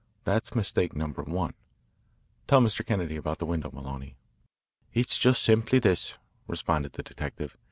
That's mistake number one. Tell Mr. Kennedy about the window, Maloney." "It's just simply this," responded the detective.